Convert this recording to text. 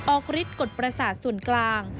ฤทธิกฎประสาทส่วนกลาง